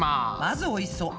まずおいしそう。